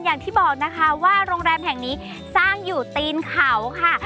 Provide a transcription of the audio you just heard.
อย่างที่บอกนะคะว่าโรงแรมแห่งนี้สร้างอยู่ตีนเขาค่ะ